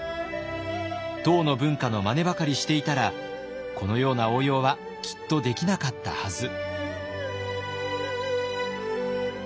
唐の文化のまねばかりしていたらこのような応用はきっとできなかったはず。